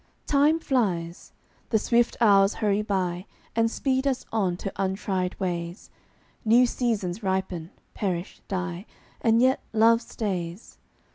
Time flies. The swift hours hurry by And speed us on to untried ways; New seasons ripen, perish, die, And yet love stays.